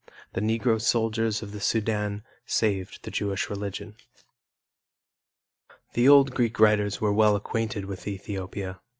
The Negro soldiers of the Sudan saved the Jewish religion. The old Greek writers were well acquainted with Ethiopia.